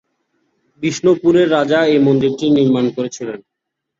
বিষ্ণুপুরের রাজা এই মন্দিরটি নির্মাণ করেছিলেন।